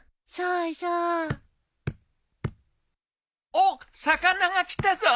おっ魚が来たぞ！